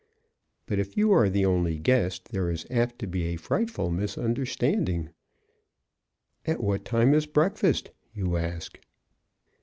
But if you are the only guest there is apt to be a frightful misunderstanding. "At what time is breakfast?" you ask.